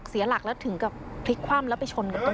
เสียหลักแล้วถึงกับพลิกความแล้วไปชนต้นไม้เลย